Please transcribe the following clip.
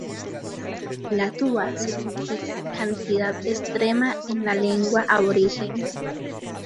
La tuba significa cantidad extrema en la lengua aborigen.